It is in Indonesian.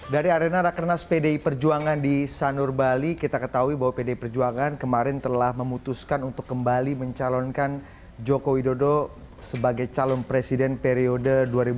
dari arena rakenas pdi perjuangan di sanur bali kita ketahui bahwa pdi perjuangan kemarin telah memutuskan untuk kembali mencalonkan jokowi dodo sebagai calon presiden periode dua ribu sembilan belas dua ribu dua puluh empat